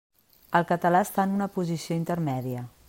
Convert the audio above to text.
El català està en una posició intermèdia.